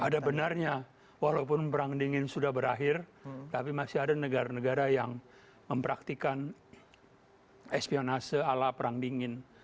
ada benarnya walaupun perang dingin sudah berakhir tapi masih ada negara negara yang mempraktikan espionase ala perang dingin